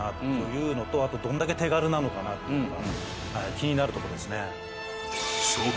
気になるとこですね。